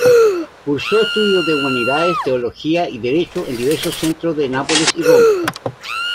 Cursó estudios de Humanidades, Teología y Derecho, en diversos centros de Nápoles y Roma.